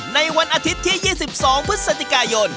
ในวันอาทิตย์ที่๒๒พฤศจิกายน